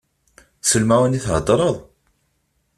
S lemεun i theddreḍ?